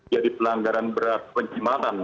jadi pelanggaran berat penyemaran